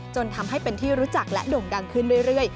จนทำให้เป็นที่รู้จักและโด่งดังขึ้นเรื่อย